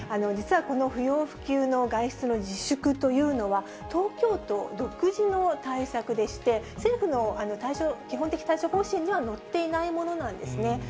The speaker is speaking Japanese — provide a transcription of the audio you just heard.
実はこの不要不急の外出の自粛というのは、東京都独自の対策でして、政府の基本的対処方針には載っていないものなんですね。